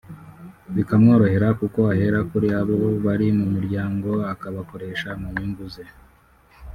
bikamworohera kuko ahera kuri abo bari mu muryango akabakoresha mu nyungu ze